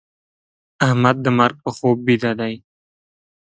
احمد د مرګ په خوب بيده دی.